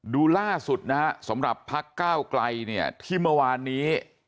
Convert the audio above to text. ดูล่าสุดนะฮะสำหรับพักก้าวไกลเนี่ยที่เมื่อวานนี้